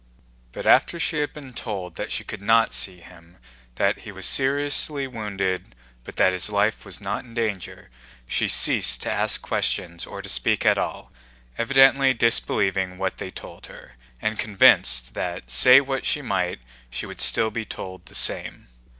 But after she had been told that she could not see him, that he was seriously wounded but that his life was not in danger, she ceased to ask questions or to speak at all, evidently disbelieving what they told her, and convinced that say what she might she would still be told the same.